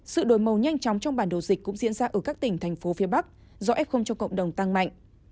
sự đổi màu nhanh chóng trong bản đồ dịch cũng diễn ra ở các tỉnh thành phố phía bắc do f cho cộng đồng tăng mạnh